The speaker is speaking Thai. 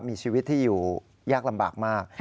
มีชีวิตที่อยู่ยากลำบากมาก